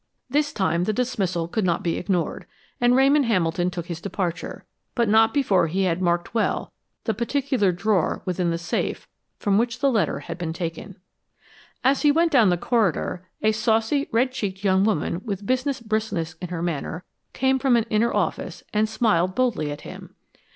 This time the dismissal could not be ignored, and Ramon Hamilton took his departure, but not before he had marked well the particular drawer within the safe from which the letter had been taken. As he went down the corridor, a saucy, red cheeked young woman with business briskness in her manner came from an inner office and smiled boldly at him.